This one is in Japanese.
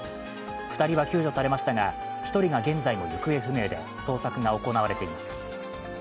２人は救助されましたが１人が現在も行方不明で捜索が行われています。